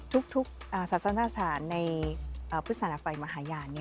ทุกศาสนศาสตร์ในพุทธศาลภัยมหายา